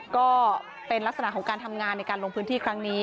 ก็เป็นลักษณะของการทำงานในการลงพื้นที่ครั้งนี้